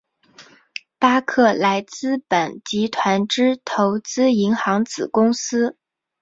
巴克莱资本集团之投资银行子公司。